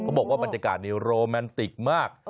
บอกว่าบรรยากาศนี้โรแมนติกมาก